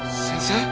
先生。